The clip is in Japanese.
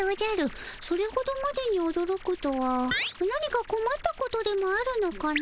それほどまでにおどろくとは何かこまったことでもあるのかの？